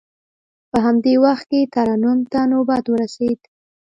په همدې وخت کې ترنم ته نوبت ورسید.